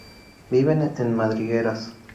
Viven en madrigueras.